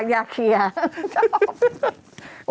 อย่าเคลียร์ชอบ